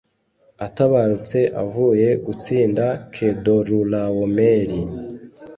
Atabarutse avuye gutsinda Kedorulawomeri